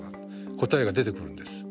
答えが出てくるんです。